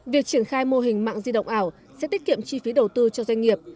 việc triển khai mô hình mạng di động ảo sẽ tiết kiệm chi phí đầu tư cho doanh nghiệp